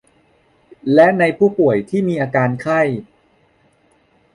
และในผู้ป่วยที่มีอาการไข้